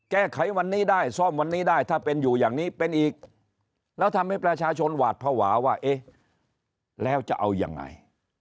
แก้ไขวันนี้ได้ซ่อมวันนี้ได้ถ้าเป็นอยู่อย่างนี้เป็นอีกแล้วทำให้ประชาชนหวาดภาวะว่าเอ๊ะแล้วจะเอายังไง